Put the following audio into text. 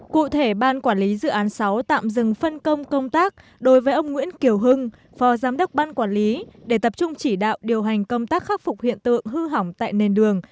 cụ thể ban quản lý dự án sáu tạm dừng phân công công tác đối với ông nguyễn kiều hưng phò giám đốc ban quản lý để tập trung chỉ đạo điều hành công tác khắc phục hiện tượng hư hỏng tại nền đường